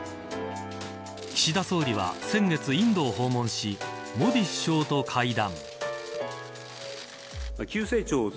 岸田総理は先月インドを訪問しモディ首相と会談。